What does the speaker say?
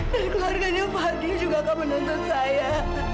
dan keluarganya fadil juga akan menuntut saya